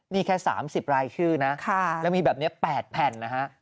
นี่แค่๓๐รายชื่อนะแล้วมีแบบนี้๘แผ่นนะฮะ